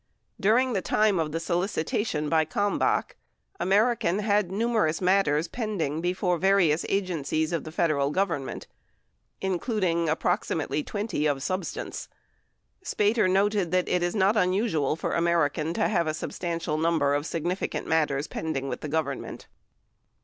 During the time of the solicitation by Kalmbach, American had numerous matters pending before various agencies of the Federal Government, including approximately 20 of substance; Spater noted that it is not unusual for American to have a substantial number of significant matters pending with the Government.